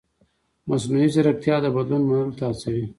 مصنوعي ځیرکتیا د بدلون منلو ته هڅوي.